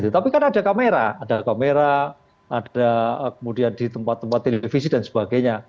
tapi kan ada kamera ada kamera ada kemudian di tempat tempat televisi dan sebagainya